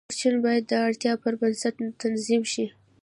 پرچون باید د اړتیا پر بنسټ تنظیم شي.